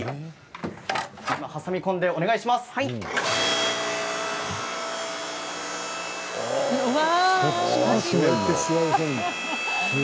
挟み込んでお願いします。